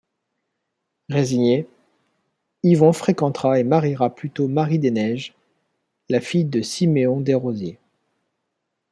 Résigné, Yvon fréquentera et mariera plutôt Marie-Des-Neiges, la fille de Siméon Desrosiers.